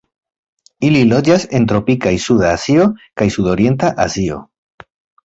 Ili loĝas en tropikaj Suda Azio kaj Sudorienta Azio.